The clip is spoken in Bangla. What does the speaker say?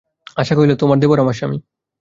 আশা কহিল, তোমার দেবর, আমার স্বামী।